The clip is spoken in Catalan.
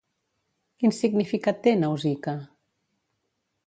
Quin significat té "Nausica"?